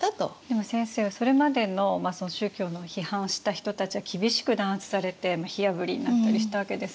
でも先生それまでの宗教の批判した人たちは厳しく弾圧されて火あぶりになったりしたわけですよね。